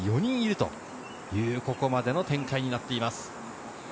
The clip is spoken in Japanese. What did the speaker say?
という、ここまでの展開になっています。